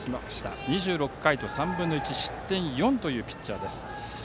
２６回と３分の１失点４というピッチャーです。